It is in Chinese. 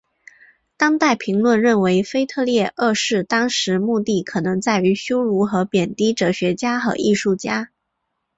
当代评论认为腓特烈二世当时目的可能在于羞辱和贬低哲学家和艺术家。